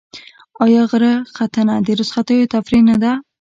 آیا غره ختنه د رخصتیو تفریح نه ده؟